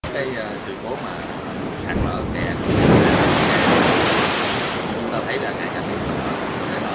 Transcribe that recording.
chủ tịch ủy ban nhân dân tỉnh bạc liêu vừa thống nhất phương án sử dụng cấu kiện t chapot